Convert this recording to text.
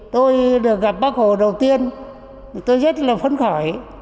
tôi được gặp bác hồ đầu tiên tôi rất là phấn khởi